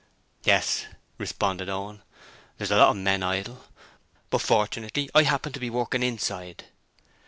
'Yes,' responded Owen, 'there's a lot of men idle, but fortunately I happen to be working inside.'